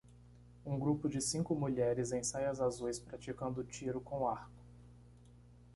Um grupo de cinco mulheres em saias azuis praticando tiro com arco.